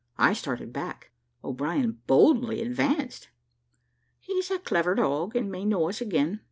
I started back, O'Brien boldly advanced. "He's a clever dog, and may know us again.